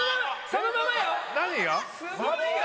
そのままよ！